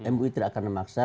mui tidak akan memaksa